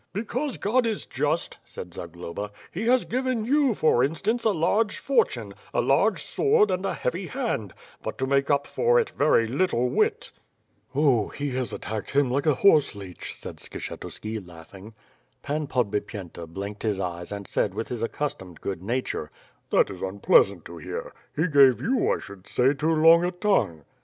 "Because God is just," said Zagloba, "He has given you, for instance, a large fortune, a large sword and a heavy hand; but, to make up for it, very little wit." WITH FIRE AND SWORD, 373 "He has attacked him like a horseleech," said Skshetuski, laughing. Pan Podbipyenta blinked his eyes and said with his accus tomed good nature: "That is unpleasan't to hear. He gave you, I should say, too long a tongue."